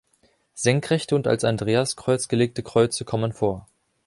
Senkrechte und als Andreaskreuz gelegte Kreuze kommen vor.